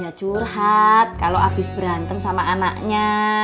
ya curhat kalau habis berantem sama anaknya